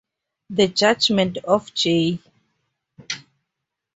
The judgment of J.